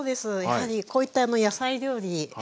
やはりこういった野菜料理